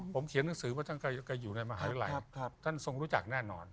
ผมเขียนนักงานในมหาลัยท่านส่งรู้จักแน่นอน